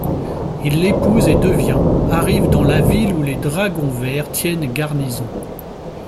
Il l'épouse et devient arrive dans la ville où les dragons verts tiennent garnison.